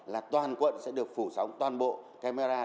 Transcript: là toàn quận sẽ được phủ sóng toàn bộ camera